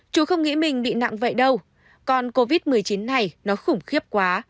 chú không nghĩ mình bị nặng vậy đâu còn covid một mươi chín này nó khủng khiếp quá